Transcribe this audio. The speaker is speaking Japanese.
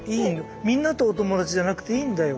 みんなとお友達じゃなくていいんだよ。